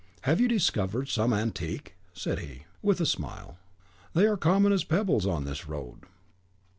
"Have you discovered some antique?" said he, with a smile; "they are common as pebbles on this road."